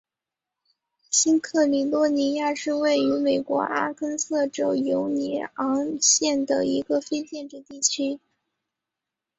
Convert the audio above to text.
新喀里多尼亚是位于美国阿肯色州犹尼昂县的一个非建制地区。